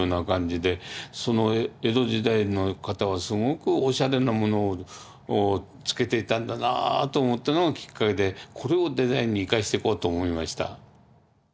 江戸時代の方はすごくおしゃれなものをつけていたんだなと思ったのがきっかけでこれをデザインに生かしてこうと思いました。